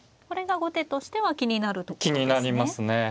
これが後手としては気になるところですね。